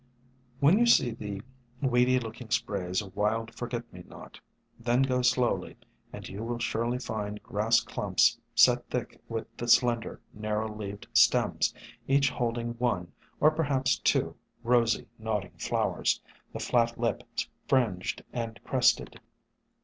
SOME HUMBLE ORCHIDS 141 When you see the weedy looking sprays of Wild Forget me not, then go slowly and you will surely find grass clumps set thick with the slender, nar row leaved stems, each holding one, or perhaps two, rosy nodding flowers, the flat lip fringed and crested.